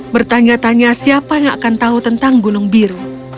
bertanya tanya siapa yang akan tahu tentang gunung biru